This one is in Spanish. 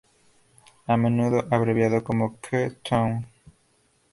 A menudo abreviado como K-Town.